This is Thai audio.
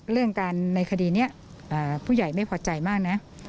เรื่องการในคดีนี้ผู้ใหญ่ไม่พอใจมากนะ